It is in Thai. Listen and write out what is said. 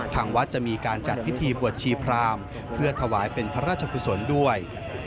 ทางวัดจะมีการจัดพิธีบวชชีพรามเพื่อถวายเป็นพระราชกุศลด้วย